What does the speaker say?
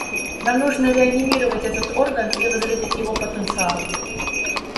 Нам нужно реанимировать этот орган и возродить его потенциал.